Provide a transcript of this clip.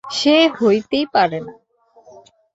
সে হইতেই পারে না।